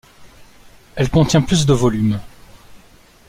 Elle contient plus de volumes.